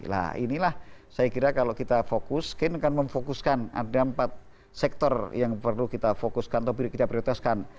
nah inilah saya kira kalau kita fokus mungkin akan memfokuskan ada empat sektor yang perlu kita fokuskan atau kita prioritaskan